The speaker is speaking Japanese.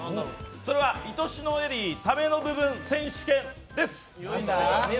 それは「いとしのエリータメの部分選手権」です。